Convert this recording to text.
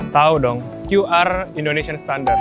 tahu dong qr indonesian standard